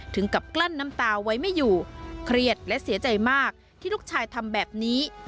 ถึงกับกลั้นน้ำตาไว้ไม่อยู่เครียดและเสียใจมากที่ลูกชายทำแบบนี้